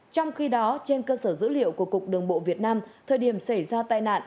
trong khi đó trên cơ sở dữ liệu của cục đường bộ việt nam thời điểm xảy ra tai nạn